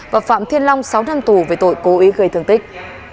và phạm thiên long sáu năm tù về tội cố ý gây thương tích